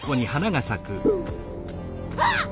あっ！